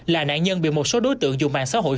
là nạn nhân bị một số đối tượng dùng mạng xã hội